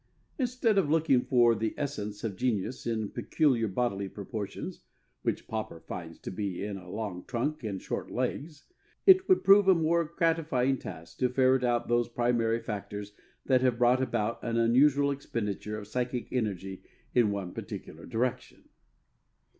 Instead of looking for the essence of genius in peculiar bodily proportions (which Popper finds to be in a long trunk and short legs!) it would prove a more gratifying task to ferret out those primary factors that have brought about an unusual expenditure of psychic energy in one particular direction.